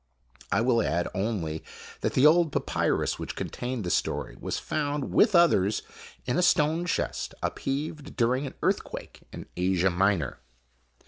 I will add only that the old papyrus which contained the story was found with others in a stone chest upheaved during an earthquake in Asia Minor.